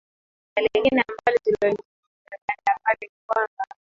na lingine ambalo tulilozungumza baada ya pale ni kwamba